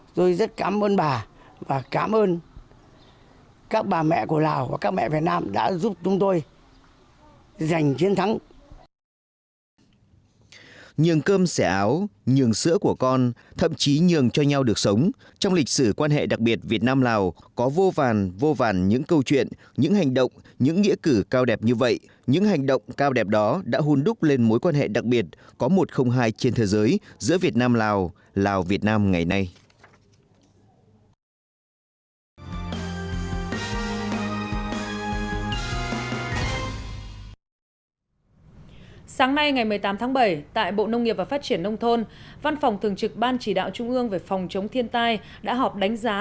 tôi rất cảm ơn bà và cảm ơn các bà mẹ của lào và các mẹ việt nam đã giúp chúng tôi giành chiến thắng